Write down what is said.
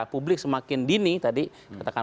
publik semakin dini tadi katakan